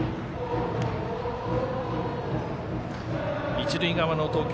一塁側の投球